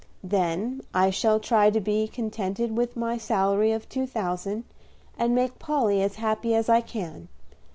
"Then I shall try to be contented with my salary of two thousand, and make Polly as happy as I can.